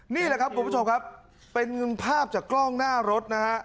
นี่แหละครับคุณผู้ชมครับเป็นภาพจากกล้องหน้ารถนะฮะ